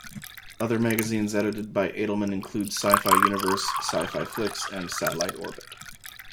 Other magazines edited by Edelman include "Sci-Fi Universe", "Sci-Fi Flix", and "Satellite Orbit".